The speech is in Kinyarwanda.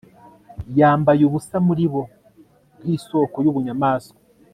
yambaye ubusa muri bo, nkisoko yubunyamaswa